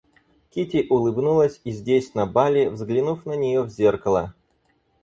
Кити улыбнулась и здесь на бале, взглянув на нее в зеркало.